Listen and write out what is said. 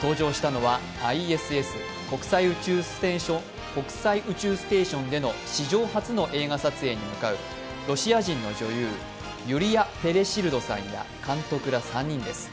搭乗したのはＩＳＳ＝国際宇宙ステーションでの史上初の映画撮影に向かうロシア人の女優、ユリア・ペレシルドさんや監督ら３人です。